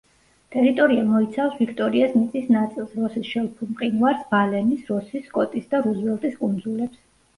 ტერიტორია მოიცავს ვიქტორიას მიწის ნაწილს, როსის შელფურ მყინვარს, ბალენის, როსის, სკოტის და რუზველტის კუნძულებს.